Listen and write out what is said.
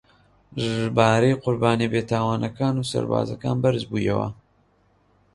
ژمارەی قوربانییە بێتاوانەکان و سەربازەکان بەرز بوویەوە